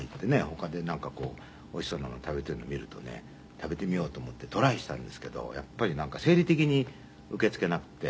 他でなんかおいしそうなものを食べてるのを見るとね食べてみようと思ってトライしたんですけどやっぱりなんか生理的に受け付けなくて。